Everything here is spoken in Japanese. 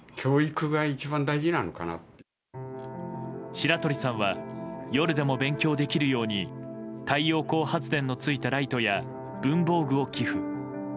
白鳥さんは夜でも勉強できるように太陽光発電のついたライトや文房具を寄付。